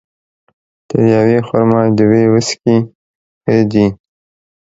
تر يوې خرما ، دوې وڅکي ښه دي